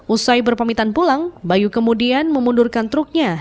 usai berpamitan pulang bayu kemudian memundurkan truknya